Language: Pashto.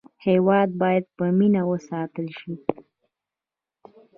هېواد باید په مینه وساتل شي.